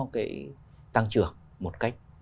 cái tăng trưởng một cách